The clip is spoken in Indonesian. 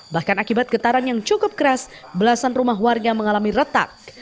bahkan akibat getaran yang cukup keras belasan rumah warga mengalami retak